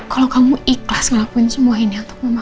kalau kamu ikhlas ngelakuin semua ini untuk mama